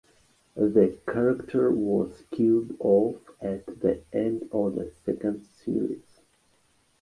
The character was killed off at the end of the second series.